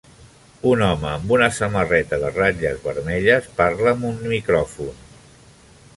Un home amb una samarreta de ratlles vermelles parla amb un micròfon.